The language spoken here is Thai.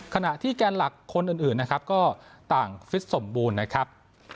ขณะที่แกนหลักคนอื่นนะครับก็ต่างฟิตสมบูรณ์นะครับ